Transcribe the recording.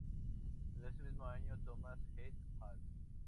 En ese mismo año, Thomas et al.